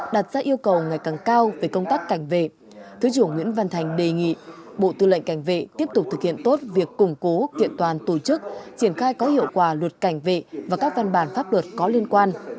đặt ra yêu cầu ngày càng cao về công tác cảnh vệ thứ trưởng nguyễn văn thành đề nghị bộ tư lệnh cảnh vệ tiếp tục thực hiện tốt việc củng cố kiện toàn tổ chức triển khai có hiệu quả luật cảnh vệ và các văn bản pháp luật có liên quan